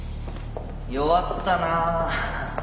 弱ったなぁ。